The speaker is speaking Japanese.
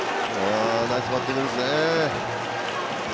ナイスバッティングですね。